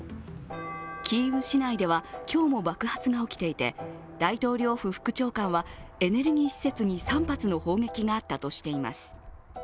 キーウ市内では今日も爆発が起きていて大統領府副長官は、エネルギー施設に３発の砲撃があったとしています。